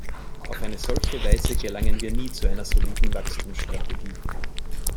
Auf eine solche Weise gelangen wir nie zu einer soliden Wachstumsstrategie.